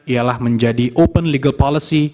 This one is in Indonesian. ialah menjadi open legal policy